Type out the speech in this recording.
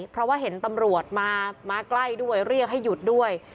เพราะว่าเห็นตำรวจมาใกล้ด้วยเรียกให้หยุดด้วย